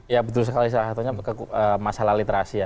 ya betul sekali salah satunya masalah literasi ya